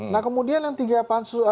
nah kemudian yang tiga